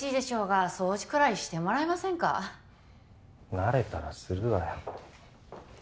慣れたらするわよ